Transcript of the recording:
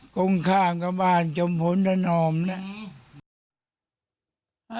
กงข้าวกะบ้านจมพนธนอม